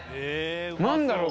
何だろう